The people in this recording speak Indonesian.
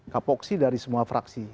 kapoksi dari semua fraksi